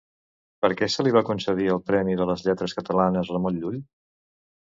Per què se li va concedir el Premi de les Lletres Catalanes Ramon Llull?